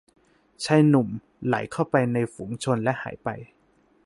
ชายหนุ่มไหลเข้าไปในฝูงชนและหายไป